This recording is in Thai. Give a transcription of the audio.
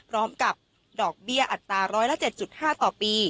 กับดอกเบี้ยอัตรา๑๐๗๕ต่อปี